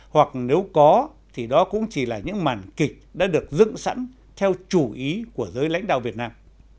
hoặc nếu có thì đó cũng chỉ là những màn kịch đã được dựng sẵn theo chủ ý của giới lãnh đạo việt nam